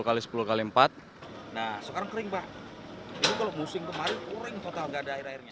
nah sekarang kering pak ini kalau musing kemarin kering total gak ada air airnya